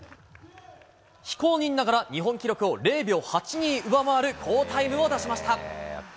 非公認ながら、日本記録を０秒８２上回る好タイムを出しました。